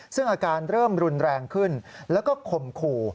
ซึ่งอาการเริ่มรุนแรงขึ้นแล้วก็ข่มขู่